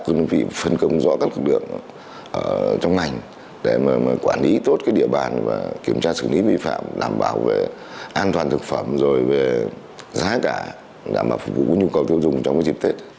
các đơn vị phân công rõ các lực lượng trong ngành để mà quản lý tốt địa bàn và kiểm tra xử lý vi phạm đảm bảo về an toàn thực phẩm rồi về giá cả đảm bảo phục vụ nhu cầu tiêu dùng trong dịp tết